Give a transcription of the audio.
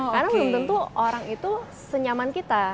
karena belum tentu orang itu senyaman kita